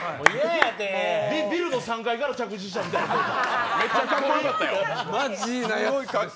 ビルの３階から着地したみたいやった。